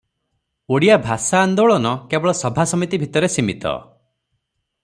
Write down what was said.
ଓଡ଼ିଆ ଭାଷା ଆନ୍ଦୋଳନ କେବଳ ସଭାସମିତି ଭିତରେ ସୀମିତ ।